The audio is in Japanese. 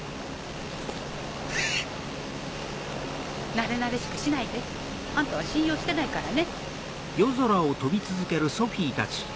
なれなれしくしないであんたは信用してないからね。